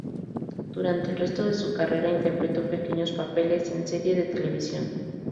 Durante el resto de su carrera interpretó pequeños papeles en series de televisión.